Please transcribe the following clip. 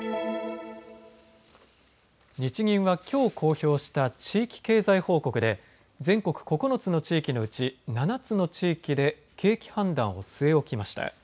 日銀はきょう公表した地域経済報告で全国９つの地域のうち７つの地域で景気判断を据え置きました。